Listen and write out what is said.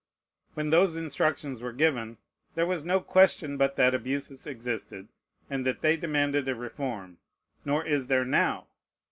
When those instructions were given, there was no question but that abuses existed, and that they demanded a reform: nor is there now.